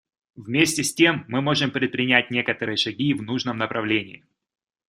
Вместе с тем мы можем предпринять некоторые шаги в нужном направлении.